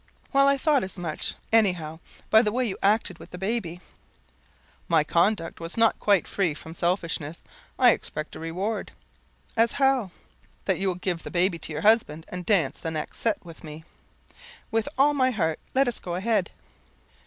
"Well, I thought as much any how, by the way you acted with the baby." "My conduct was not quite free from selfishness I expect a reward." "As how?" "That you will give the baby to your husband, and dance the next set with me." "With all my heart. Let us go a head."